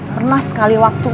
pernah sekali waktu